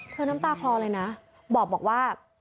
น้ำตาคลอเลยนะบอกว่า